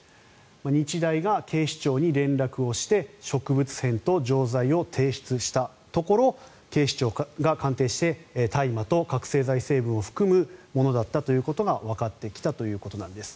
日大が警視庁に連絡して植物片と錠剤を提出したところ警視庁が鑑定して大麻と覚醒剤成分を含むものだったということがわかってきたということです。